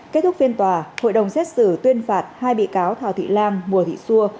kết thúc phiên tòa hội đồng xét xử tuyên phạt hai bị cáo thảo thị lam mùa thị xua